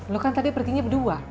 lo kan tadi pertinya berdua